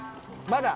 まだ。